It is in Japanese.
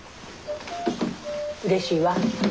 うれしいわ。